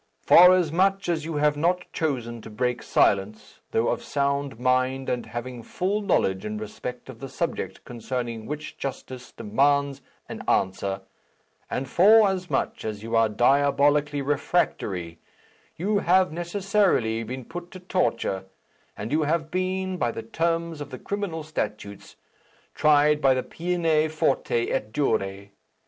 Forasmuch as you have not chosen to break silence, though of sound mind and having full knowledge in respect of the subject concerning which justice demands an answer, and forasmuch as you are diabolically refractory, you have necessarily been put to torture, and you have been, by the terms of the criminal statutes, tried by the 'Peine forte et dure.'